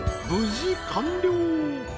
無事完了］